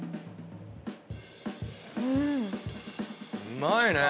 うまいね！